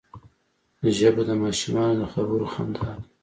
ژبه د ماشومانو د خبرو خندا ده